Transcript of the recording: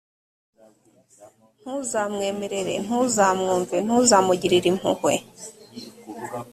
ntuzamwemerere, ntuzamwumve, ntuzamugirire impuhwe